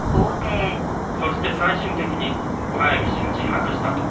そして最終的に早見氏が自白したと？